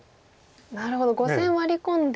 なるほど５線ワリ込んで。